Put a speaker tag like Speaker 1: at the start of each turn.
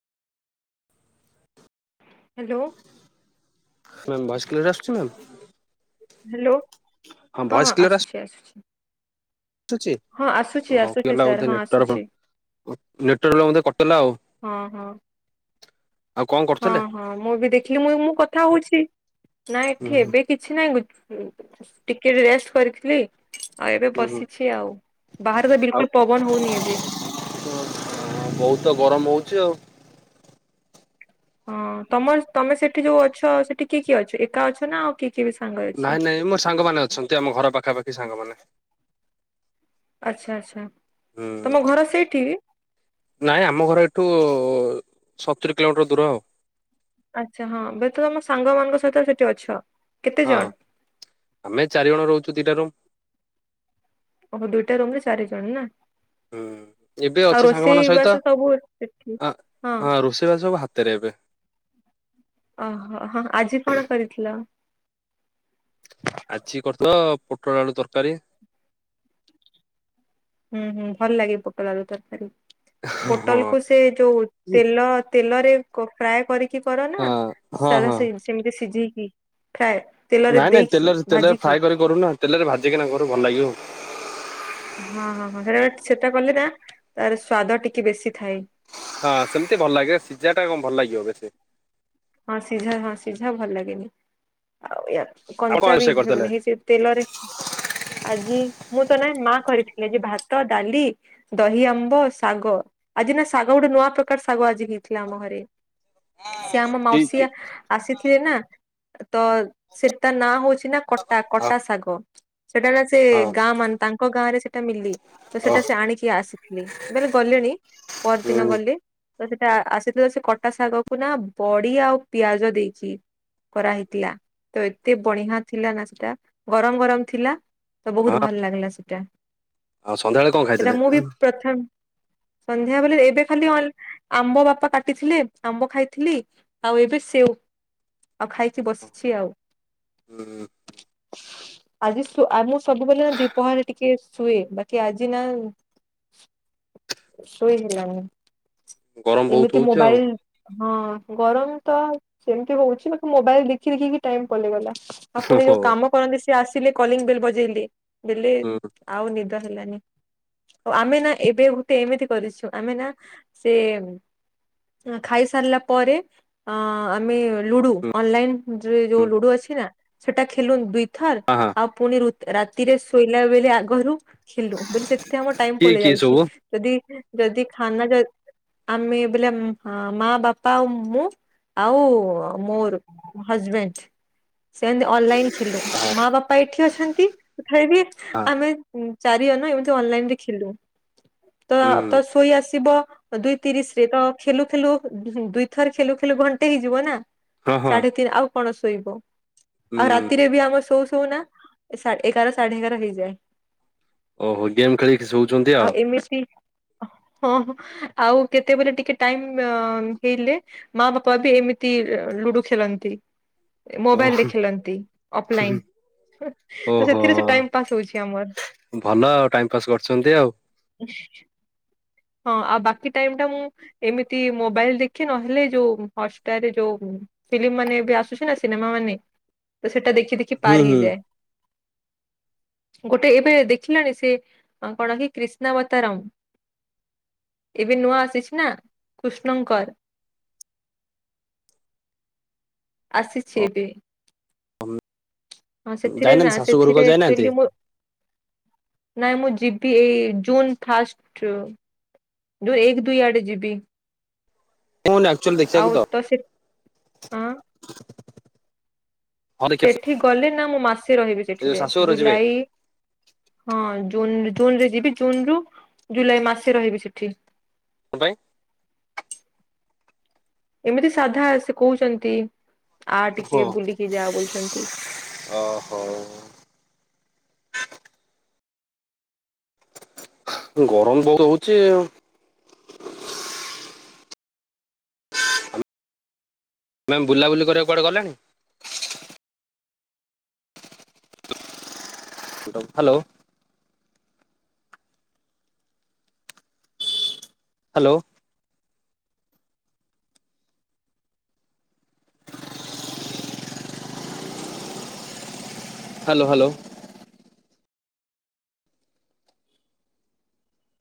Speaker 1: Hello.
Speaker 2: Ma'am voice clear ଆସୁଛି ma'am?
Speaker 1: Hello. ହଁ ହଁ ଆସୁଛି ଆସୁଛି।
Speaker 2: ଆସୁଛି
Speaker 1: ହଁ ଆସୁଛି ଆସୁଛି ସାର୍ ହଁ ଆସୁଛି। ହଁ ହଁ
Speaker 2: ଆଉ କଣ
Speaker 1: ହଁ
Speaker 2: କରୁଥିଲେ?
Speaker 1: ହଁ ମୁଁ ବି ଦେଖିଲି ମୁଁ ମୁଁ କଥା ହଉଛି ନା
Speaker 2: ହୁଁ
Speaker 1: ଏଠି ଏବେ
Speaker 2: ହୁଁ
Speaker 1: କିଛି ନାହିଁ। ଟିକେ ରେଷ୍ଟ କରିଥିଲି। ଆଉ ଏବେ
Speaker 2: ହୁଁ
Speaker 1: ବସିଛି ଆଉ ବାହାରେ ତ
Speaker 2: ଆଉ
Speaker 1: ବିଲକୁଲ ପବନ ହଉନି ଏବେ।
Speaker 2: ବହୁତ ତ ଗରମ ହଉଛି ଆଉ
Speaker 1: ହଁ ତମର ତମେ ସେଠି ଯୋଉ ଅଛ ସେଠି କିଏ କିଏ ଅଛ ଏକା ଅଛ ନା ଆଉ କିଏ? କିଏ ବି ସାଙ୍ଗ ଅଛି?
Speaker 2: ନାଇଁ ନାଇଁ ମୋର ସାଙ୍ଗମାନେ ଅଛନ୍ତି ଆମ ଘର ପାଖାପାଖି ସାଙ୍ଗମାନେ।
Speaker 1: ଆଚ୍ଛା ଆଚ୍ଛା
Speaker 2: ହୁଁ
Speaker 1: ତମ ଘର ସେଇଠି
Speaker 2: ନାଇଁ ଆମ ଘର ଏଠୁ ସତୁରି କିଲୋମିଟର ଦୂର ଆଉ।
Speaker 1: ଆଛା ହଁ ହୁଏତ ତମ ସାଙ୍ଗ ମାନଙ୍କ ସହିତ ସେଠି ଅଛ। କେତେ
Speaker 2: ହଁ
Speaker 1: ଜଣ
Speaker 2: ଆମେ ଚାରିଜଣ ରହୁଛୁ ଦିଟା ରୁମ।
Speaker 1: ଓଃ ଦୁଇଟା ରୁମ ରେ ଚାରି ଜଣ ନା
Speaker 2: ହୁଁ ଏବେ ଅଛି
Speaker 1: ଆଉ
Speaker 2: ସାଙ୍ଗମାନଙ୍କ ସହିତ
Speaker 1: ରୋଷେଇବାସ ସବୁ ଅ ସେଠି
Speaker 2: ଆ
Speaker 1: ହଁ।
Speaker 2: ରୋଷେଇବାସ ସବୁ ହାତରେ ଏବେ
Speaker 1: ଓହୋ ହଁ ଆଜି କଣ କରିଥିଲ?
Speaker 2: ଆଜି [unintelligible] ପୋଟଳ ଆଳୁ ତରକାରୀ।
Speaker 1: ହୁଁ ହୁଁ ଭଲ ଲାଗେ ପୋଟ ଆଳୁ ତରକାରୀ।
Speaker 2: ହଁ
Speaker 1: ପୋଟଲ କୁ ସେ ଯୋଉ ତେଲ ତେଲରେ ଫ୍ରାଏ କରିକି କର ନା
Speaker 2: ହଁ ହଁ
Speaker 1: ସାଧା
Speaker 2: ହଁ
Speaker 1: ସେ ସେମିତି ସିଝେଇି କି କି ପ୍ରାଏ
Speaker 2: ନାଇଁ ନାଇଁ ତେଲରେ ତେଲରେ ଫ୍ରାଏ କରି କରୁନା ତେଲରେ ଭାଜିକିନା କରୁ ଭଲ ଲାଗିବ।
Speaker 1: ହଁ ହଁ ହଁ ସେଟା ସେଟା କଲେ ନା ତାର ସ୍ଵାଦ ଟିକେ ବେଶୀ ଥାଇ,
Speaker 2: ହଁ ସେମିତି ଭଲ ଲାଗିବ ସିଝା ଟା କଣ ଭଲ ଲାଗିବ ବେଶି।
Speaker 1: ହଁ ସିଝା ହଁ ସିଝା ଭଲ ଲାଗେନି, ଆଉ
Speaker 2: ଆପଣ କଣ
Speaker 1: କଞ୍ଚା ବି
Speaker 2: ରୋଷେଇ
Speaker 1: ହେବନି
Speaker 2: କରିଥିଲେ?
Speaker 1: କିଛି ତେଲରେ ଆଜି ମୁଁ ତ ନାଇଁ ମା କରିଥିଲି ଭାତ, ଡାଲି, ଦହି ଆମ୍ବ, ଶାଗ, ଆଜି ନା ଶାଗ ଗୋଟେ ନୂଆ ପ୍ରକାର ଶାଗ ଆଜି ହେଇଥିଲା ଆମ ଘରେ। ସେ ଆମ
Speaker 2: କି କି
Speaker 1: ମାଉସିଆ ଆସିଥିଲେ ନା, ତ ସେତା ନା ହଉଛି, ନା କଟା
Speaker 2: ହଁ
Speaker 1: କଟା ଶାଗ। ସେଟା ନା ସେ
Speaker 2: ହଁ
Speaker 1: ଗାଁ ମାନେ ତାଙ୍କ ଗାଁ ରେ ସେଟା ମିଲି ତ
Speaker 2: ଓ
Speaker 1: ସେଟା ସେ ଆଣିକି ଆସିଥିଲି ବଲେ ଗଲେଣି ପରଦିନ
Speaker 2: ହୁଁ
Speaker 1: ଗଲେ। ତ ସେଟା ସେତ ତ ସେ କଟା ଶାଗ କୁ ନା ବଢ଼ି ବଡ଼ି ଆଉ ପିଆଜ ଦେଇକି କରାହେଇଥିଲା ତ ଏତେ ବଢିଆ ଥିଲା ନା ସେଟା ଗରମ ଗରମ ଥିଲା। ତ ବହୁତ
Speaker 2: ହଁ
Speaker 1: ଭଲ ଲାଗିଲା ସେଟା,
Speaker 2: ଆଉ ସନ୍ଧ୍ୟାବେଳେ କଣ
Speaker 1: ସେଟା
Speaker 2: ଖାଇଥିଲେ?
Speaker 1: ମୁଁ ବି ପ୍ରଥମ ସନ୍ଧ୍ୟାବେଳେ ଏବେ ଖାଲି ଆମ୍ବ ବାପା କାଟିଥିଲେ ଆମ୍ବ ଖାଇଥିଲି, ଆଉ ଏବେ ସେଉ ଆଉ ଖାଇଛି ବସିଛି ଆଉ,
Speaker 2: ହୁଁ
Speaker 1: ଆଜି ମୁଁ ସବୁବେଳେ ଦିପହରେ ଟିକେ ଶୁଏ ବାକି ଆଜି ନା ଶୋଇ ହେଲାନି।
Speaker 2: ଗରମ ବହୁତ
Speaker 1: ଏମିତି
Speaker 2: ହଉଛି ଆଉ
Speaker 1: ମୋବାଇଲ ହଁ। ଗରମ ତ ସେମିତି ହଉଛି ବା ମୋବାଇଲ ଦେଖି ଦେଖିକି ଟାଇମ ପେଇଗଲା। ଆ ପୁଣି
Speaker 2: ଓହୋ
Speaker 1: ଯୋଉ କାମ କରନ୍ତି ସେ ଆସିଲେ କଲିଂ ବିଲ୍ ବ ଦେଲି। ବିଲ
Speaker 2: ହୁଁ
Speaker 1: ଆଉ ନିଦ ହେଲାନି। ଆମେ ନା ଏବେ ଗୋଟେ ଏମିତି କରିଛୁ ଆମେ ନା ସେ ଖାଇସାରିଲା ପରେ ଅ ଆମେ ଲୁଡ଼ୁ
Speaker 2: ହୁଁ
Speaker 1: ଅନଲାଇନ୍ ଯୋଉ ଲୁଡ଼ୁ ଅଛି ନା। ସେଟା ଖେୁନ ଦୁଇ ଥ
Speaker 2: ହଁ ହଁ
Speaker 1: ଆଉ ପୁନଣି ରାତିରେ ଶୋଇଲା ବେଳେ ଆଗରୁ ଖିଲୁ ବ ସେଥିରେ ଆମର ଟାଇମ
Speaker 2: କିଏ
Speaker 1: ପଳେଇ
Speaker 2: କିଏ
Speaker 1: ଯାଉଛି
Speaker 2: ସବୁ?
Speaker 1: ଯଦି ଯଦି ଖାନା ଯ ଆମେ ବୋଇଲେ ମା ବାପା ଆଉ ମୁଁ ଆଉ ମୋର ହଜବେଣ୍ଡ ସେମତି ଅନଲାଇନ ଖୁ
Speaker 2: ହଁ
Speaker 1: ମା ବାପା ଏଠି ଅଛନ୍ତି ବି
Speaker 2: ହଁ
Speaker 1: ଆମେ ଚାରି ଜଣ ଏମି ଅନ ଖେଲୁ। ତ
Speaker 2: ହୁଁ
Speaker 1: ତ
Speaker 2: ହୁଁ
Speaker 1: ଶୋଇ ଆସ ଦୁଇ ତିରିଶରେ ତ ଖେଲୁ ଖେଲୁ ଦୁଇଥର ଖେଲୁ। ଖଲେ ଘଣ୍ଟେ ହେଇଯିବ ନା।
Speaker 2: ହଁ ହଁ
Speaker 1: ସାଢ଼େ ତିନି ଆଉ କଣ ଶୋଇବ। ଆଉ
Speaker 2: ହୁଁ
Speaker 1: ରାତିରେ ବି ଆମ ସ ଶୁ ନା ଏଗାର ସାଢ଼େ ଏଗାର ହେଇଯାଏ।
Speaker 2: ଓହୋ ଗେମ୍ ଖେଳିକି ଶୋଉଛନ୍ତି ଆଉ।
Speaker 1: ହଁ ଆଉ କେତେବେଳେ ଟିକେ ଟାଇମ ହେଇଲେ। ମା ବାପା ବି ଏମିତି ଲୁଡ଼ୁ ଖେଳନ୍ତି।
Speaker 2: ଓ
Speaker 1: ମୋବାଇଲ ଦେଖଥିଅ ଫଲାଇନ ତ
Speaker 2: ଓହୋ
Speaker 1: ସେଥିରେ ସେ ଟାଇମ ପାସ୍ ହୋଉଛି ଆମର [inaudible]
Speaker 2: ଭଲ ଆଉ ଟାଇମ ପାସ୍ କରୁଛନ୍ତି ଆଉ।
Speaker 1: ହଁ। ବାକ ଟାଇ ଟା ମୁଁ ଏମିତି ମୋବାଇଲ ଦେଖି ନହେଲେ ଯଉ ହଟରେ ଯୋଉ ଫିଲ୍ମ ମାନେ ବି ଆସୁଛି ନା ସିନେମା ମାନେ ତ ସେଟା ଦେଖ ଦେଖି ପାର
Speaker 2: ହୁଁ ହୁଁ।
Speaker 1: ହେଇଯାଏ। ଗୋଟେ ଏବେ ଦେଖିଲାଣି ସେ କଣ କି କ୍ରିଷ୍ଣାବତାରାମ [inaudible] ଏବେ ନୂଆ ଆସିଛି ନା କୃଷ୍ଣଙ୍କର। [inaudible] ଆସିଛି ଏବେ। ହଁ ସେଥିରେ ନା
Speaker 2: ଯାଇନାହାନ୍ତି ଶାଶୁ
Speaker 1: ସେଥିରେ
Speaker 2: ଘରୁକୁ ଯାଇନାହାନ୍ତି।
Speaker 1: ଆକ୍ଚୁଆଲି ମୁଁ ନାଇଁ ମୁଁ ଯିବି ଏଇ ଜୁନ୍ ଫାଷ୍ଟ ଜୁନ୍ ଏକ ଦୁଇ ଆଡ଼େ ଯିବି।
Speaker 2: କୁହନ ଆଚୁଆଲି ଦେଖିବାକୁ
Speaker 1: ଆଉ ତ ସେ ହଁ
Speaker 2: ତ। [inaudible] ହଁ ଦେଖିଆ ସେ
Speaker 1: ସେଠି ଗଲେ ନା ମୁଁ ମାସେ ରହିବି
Speaker 2: ଯୋଉ
Speaker 1: ସେଠିରେ
Speaker 2: ଶାଶୁଘର ଯିବେ।
Speaker 1: ଜୁଲାଇ [inaudible] ହଁ। ଜୁନ ଜୁନରେ ଯିବି ଜୁନ ରୁ ଜୁଲାଇ ମାସ ରହିବି ସେଠି।
Speaker 2: ହ ଭାଇ।
Speaker 1: ଏମିତି ସାଧା ସେ କହୁଛନ୍ତି। ଆ ଟିକେ
Speaker 2: ହଁ।
Speaker 1: ବୁଲିକି ଯାହା ବୋଲୁଛନ୍ତି।
Speaker 2: ଓହୋ ଗରମ ଯୋରେ ହଉଚି ଆଉ। ମ୍ୟାମ୍ ବୁଲାବୁଲି କରିବାକୁ କୁଆଡେ ଗଲେଣି। Hello hello hello hello.